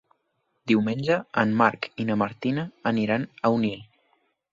Diumenge en Marc i na Martina aniran a Onil.